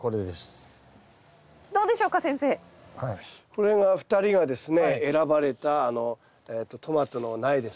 これが２人がですね選ばれたトマトの苗ですね。